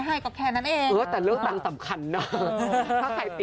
ลักษณะฝ่าเงินสำคัญนะ